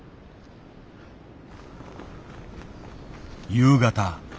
夕方。